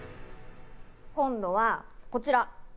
今度はこちら。